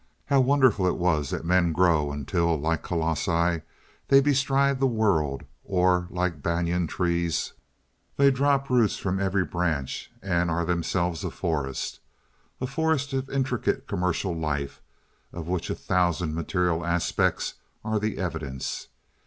How wonderful it is that men grow until, like colossi, they bestride the world, or, like banyan trees, they drop roots from every branch and are themselves a forest—a forest of intricate commercial life, of which a thousand material aspects are the evidence.